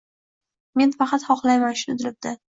Men faqat hohlayman shuni dilimdan